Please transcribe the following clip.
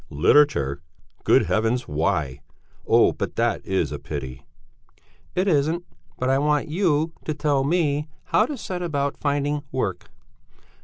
"Literature? Good Heavens! Why? Oh, but that is a pity!" "It isn't; but I want you to tell me how to set about finding work."